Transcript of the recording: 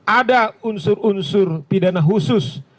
ada unsur unsur pidana khusus